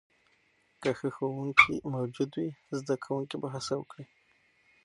که ښه ښوونکې موجود وي، زده کوونکي به هڅه وکړي.